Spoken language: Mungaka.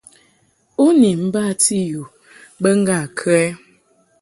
U bi mbati yu bə ŋgâ kə ɛ?